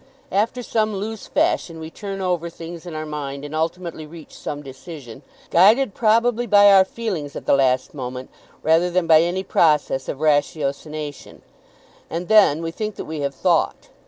After some loose fashion we turn over things in our mind and ultimately reach some decision, guided probably by our feelings at the last moment rather than by any process of ratiocination; and then we think that we have thought.